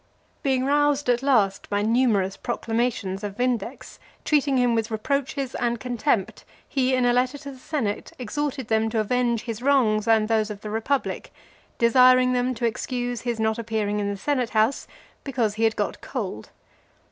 Being roused at last by numerous proclamations of Vindex, treating him with reproaches and contempt, he in a letter to the senate exhorted them to avenge his wrongs and those of the republic; desiring them to excuse his not appearing in the senate house, because he had got cold.